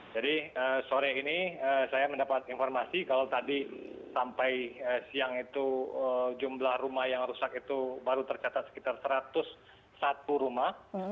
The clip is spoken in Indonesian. jadi sore ini saya mendapat informasi kalau tadi sampai siang itu jumlah rumah yang rusak itu baru tercatat sekitar satu ratus satu rumah